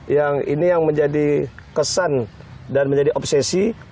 yang ini yang menjadi kesan dan menjadi obsesi